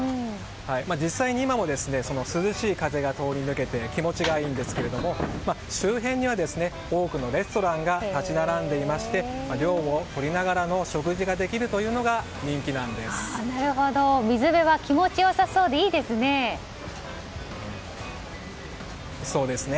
実際に今も涼しい風が通り抜けて気持ちがいいんですが、周辺には多くのレストランが立ち並んでいまして涼をとりながら食事ができるというのが水辺は気持ち良さそうでいいですね。